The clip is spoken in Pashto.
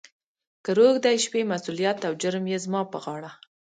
« کهٔ روږدی شوې، مسولیت او جرم یې زما پهٔ غاړه. »